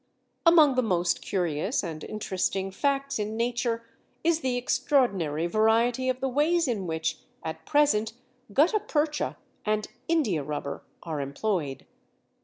Among the most curious and interesting facts in Nature is the extraordinary variety of the ways in which at present gutta percha and india rubber are employed.